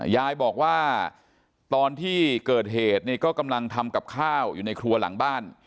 ยายบอกว่าตอนที่เกิดเหตุเนี่ยก็กำลังทำกับข้าวอยู่ในครัวหลังบ้าน